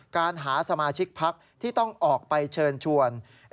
การหาสมาชิกพักที่ต้องออกไปเชิญชวน